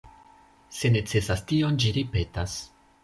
Se necesas tion ĝi ripetas.